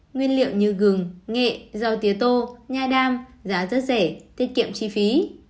nguyên liệu như gừng nghệ rau tía tô nha đam giá rất rẻ tiết kiệm chi phí